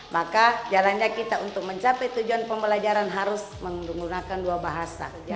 maka jalannya kita untuk mencapai tujuan pembelajaran harus menggunakan dua bahasa